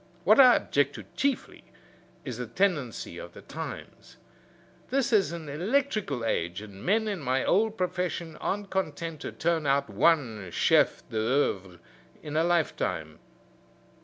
What I object to chiefly is the tendency of the times. This is an electrical age, and men in my old profession aren't content to turn out one chef d'oeuvre in a lifetime.